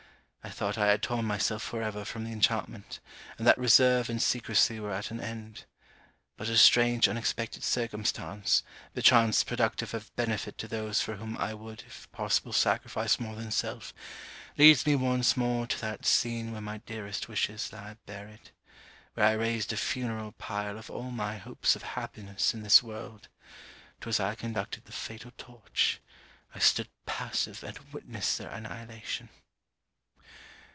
I thought I had torn myself for ever from the enchantment; and that reserve and secresy were at an end. But a strange unexpected circumstance, perchance productive of benefit to those for whom I would if possible sacrifice more than self, leads me once more to that scene where my dearest wishes lie buried where I raised a funeral pile of all my hopes of happiness in this world 'twas I conducted the fatal torch I stood passive and witnessed their annihilation!